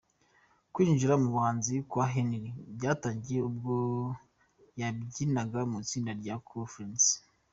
Kwinjira mu buhanzi kwa Henry byatangiye ubwo yabyinaga mu itsinda rya ‘Cool Friends’.